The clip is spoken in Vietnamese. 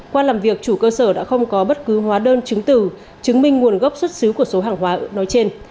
qua làm việc chủ cơ sở đã không có bất cứ hóa đơn chứng từ chứng minh nguồn gốc xuất xứ của số hàng hóa nói trên